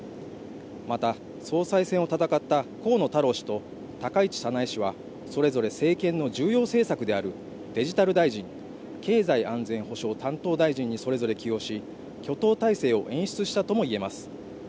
また総裁選を戦った河野太郎氏と高市早苗氏はそれぞれ政権の重要政策であるデジタル大臣経済安全保障担当大臣にそれぞれ起用し挙党態勢を演出したとも言えます